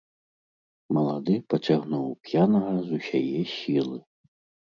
Малады пацягнуў п'янага з усяе сілы.